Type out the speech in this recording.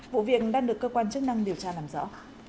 vụ viện đang được cơ quan chức năng điều tra làm rõ